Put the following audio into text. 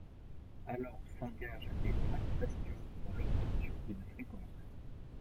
Alors s’engagent les tractations pour l’obtention d’une fréquence.